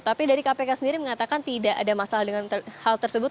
tapi dari kpk sendiri mengatakan tidak ada masalah dengan hal tersebut